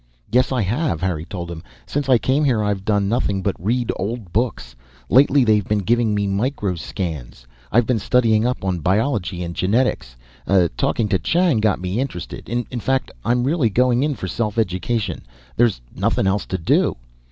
"Yes, I have," Harry told him. "Since I came here I've done nothing but read old books. Lately they've been giving me microscans. I've been studying up on biology and genetics; talking to Chang got me interested. In fact, I'm really going in for self education. There's nothing else to do."